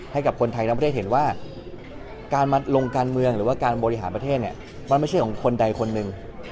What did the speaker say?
ให้กับคนไทยทั้งประเทศเห็นว่าการมาลงการเมืองหรือว่าการบริหารประเทศเนี่ยมันไม่ใช่ของคนใดคนหนึ่ง